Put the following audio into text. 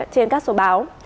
trên các số báo